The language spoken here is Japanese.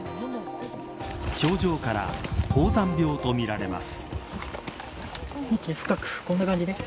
症状から高山病とみられます。